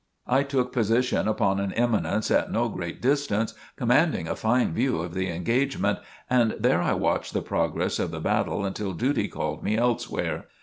I took position upon an eminence at no great distance, commanding a fine view of the engagement, and there I watched the progress of the battle until duty called me elsewhere.